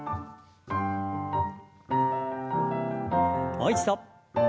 もう一度。